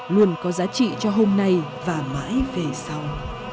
luôn có giá trị cho hôm nay và mãi về sau